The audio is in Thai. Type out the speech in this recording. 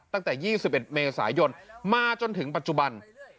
ตั้งแต่๒๑เมษายนมาจนถึงปัจจุบัน